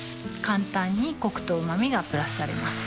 簡単にコクとうま味がプラスされます